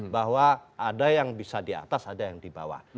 bahwa ada yang bisa di atas ada yang di bawah